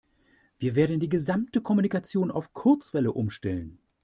Wir werden die gesamte Kommunikation auf Kurzwelle umstellen.